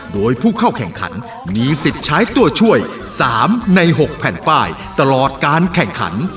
โดยผู้เข้าแข่งขันมีสิทธิ์ใช้ตัวช่วย๓ใน๖แผ่นป้ายตลอดการแข่งขัน